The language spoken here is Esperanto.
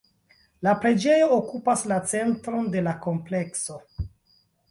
La preĝejo okupas la centron de la komplekso.